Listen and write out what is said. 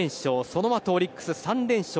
そのあとオリックス３連勝。